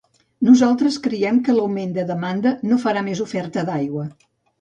Nosaltres creiem que l’augment de demanda no farà més oferta d’aigua.